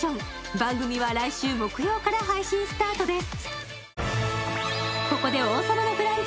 番組は来週木曜から配信スタートです。